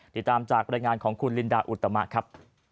ติดตามจากบรรยายงานของคุณลินดาอุตมะครับ